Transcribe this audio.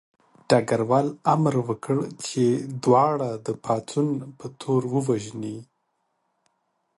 ډګروال امر وکړ چې دواړه د پاڅون په تور ووژني